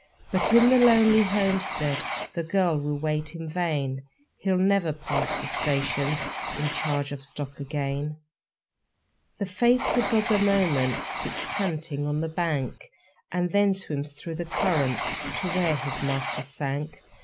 But in the lonely homestead The girl will wait in vain He'll never pass the stations In charge of stock again. The faithful dog a moment Sits panting on the bank, And then swims through the current To where his master sank.